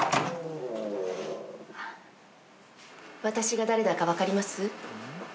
私が誰だか分かります？